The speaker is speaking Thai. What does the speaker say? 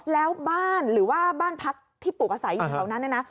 แล้วบ้านหรือว่าบ้านพักที่ปลูกอาศัยอยู่แถวนั้นเนี่ยนะ